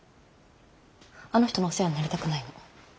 あの人のお世話になりたくないの。